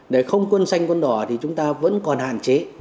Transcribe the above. để không quân xanh quân đỏ thì chúng ta vẫn còn hạn chế